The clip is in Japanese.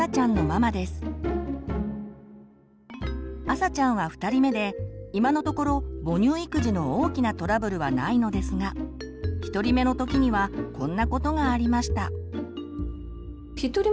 あさちゃんは２人目で今のところ母乳育児の大きなトラブルはないのですが１人目の時にはこんなことがありました。